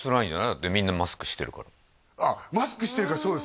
だってみんなマスクしてるからああマスクしてるからそうです